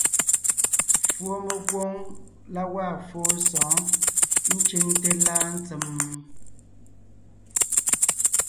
Fùɔmekwoŋ la gwaa fóo sɔ̌ɔn ncʉŋte láa ntsèm?